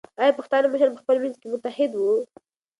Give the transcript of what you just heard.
ایا پښتانه مشران په خپل منځ کې متحد وو؟